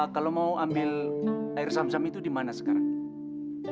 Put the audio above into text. kalau mau ambil air zam zam itu dimana sekarang